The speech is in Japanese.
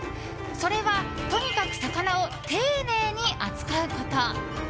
それは、とにかく魚を丁寧に扱うこと。